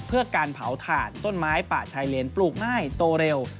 เพื่อการเผาถ่านต้นไม้ป่าชายเลนปลูกง่ายโตเร็ว